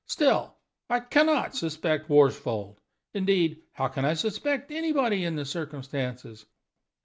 Still, I can not suspect Worsfold. Indeed, how can I suspect anybody in the circumstances?"